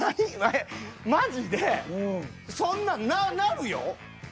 マジでそんなんなるよ。